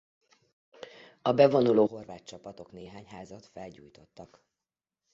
A bevonuló horvát csapatok néhány házat felgyújtottak.